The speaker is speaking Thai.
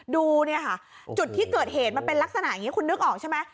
ดูเนี่ยค่ะจุดที่เกิดเหตุมันเป็นลักษณะอย่างนี้คุณนึกออกใช่ไหม